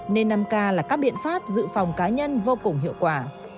nên năm k là các biện pháp dự phòng cá nhân vô cùng hiệu quả